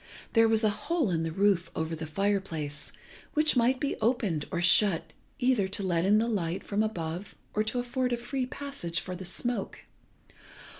There was a hole in the roof over the fire place which might be opened or shut either to let in the light from above or to afford a free passage for the smoke.